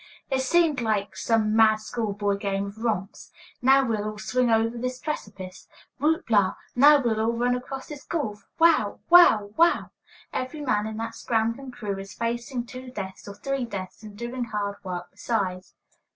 It seems like some mad school boy game of romps. Now we'll all swing over this precipice! Whoop la! Now we'll all run across this gulf! Wow! wow! wow! Every man in that scrambling crew is facing two deaths, or three deaths, and doing hard work besides.